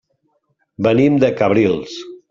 Venim de Cabrils.